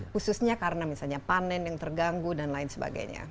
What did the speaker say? khususnya karena misalnya panen yang terganggu dan lain sebagainya